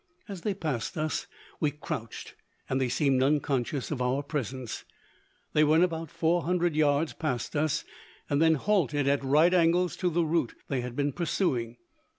As they passed us we crouched, and they seemed unconscious of our presence. They went about 400 yards past us, and then halted at right angles to the route they had been pursuing.